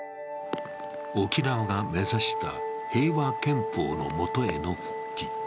沖縄が目指した平和憲法のもとへの復帰。